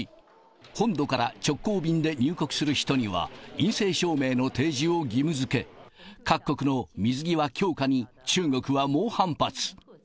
本土から直行便で入国する人には、陰性証明の提示を義務づけ、各国の水際強化に、中国は猛反発。